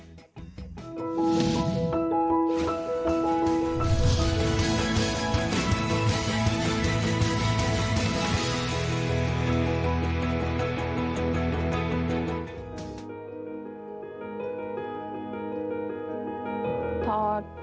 เก่งกับคน